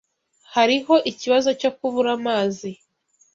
Hariho ikibazo cyo kubura amazi.